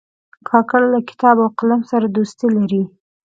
کاکړ له کتاب او قلم سره دوستي لري.